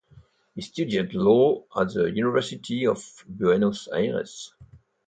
He studied law at the University of Buenos Aires.